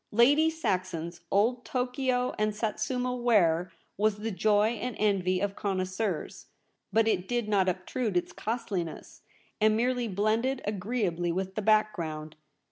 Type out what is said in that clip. Lady Saxon's old Tokio and Satsuma ware was the joy and envy of connoisseurs, but it did not obtrude its costliness, and merely blended agreeably with the back ground.